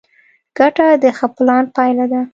ګټه د ښه پلان پایله ده.